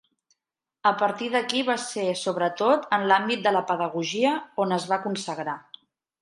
A partir d'aquí va ser sobretot en l'àmbit de la pedagogia on es va consagrar.